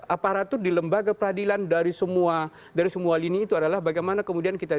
aparatur di lembaga peradilan dari semua dari semua lini itu adalah bagaimana kemudian kita